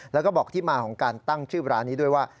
แล้วก็บอกที่มาของการตั้งชื่อร้านนี้ด้วยว่า